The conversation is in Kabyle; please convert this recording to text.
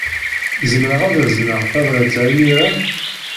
Zemreɣ ad azneɣ tabṛat-a imir-a?